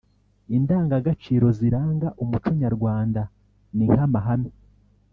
Indangagaciro ziranga umuco nyarwanda ni nk amahame